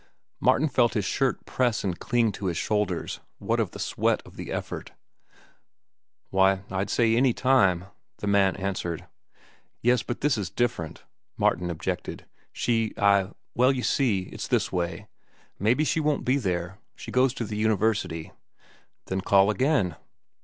Martin felt his shirt press and cling to his shoulders, what of the sweat of the effort. "Why I'd say any time," the man answered. "Yes, but this is different," Martin objected. "She—I—well, you see, it's this way: maybe she won't be there. She goes to the university." "Then call again."